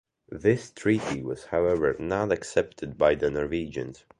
This treaty was however not accepted by the Norwegians.